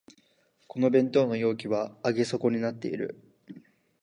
この弁当の容器は上げ底になってる